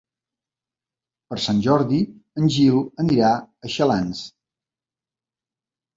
Per Sant Jordi en Gil anirà a Xalans.